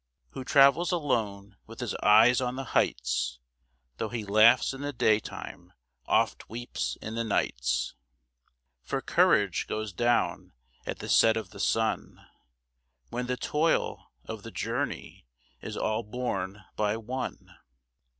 Who travels alone with his eyes on the heights, Though he laughs in the day time oft weeps in the nights; For courage goes down at the set of the sun, When the toil of the journey is all borne by one.